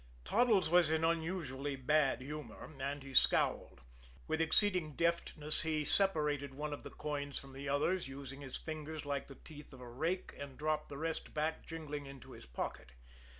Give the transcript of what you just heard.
Toddles was in an unusually bad humor, and he scowled. With exceeding deftness he separated one of the coins from the others, using his fingers like the teeth of a rake, and dropped the rest back jingling into his pocket.